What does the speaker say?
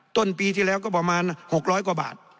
ต้นปีที่แล้วก็ประมาณ๖๐๐กว่าบาท